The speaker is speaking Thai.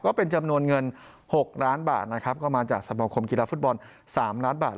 ก็เป็นจำนวนเงิน๖ล้านบาทนะครับก็มาจากสมคมกีฬาฟุตบอล๓ล้านบาท